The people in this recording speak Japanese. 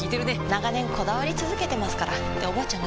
長年こだわり続けてますからっておばあちゃん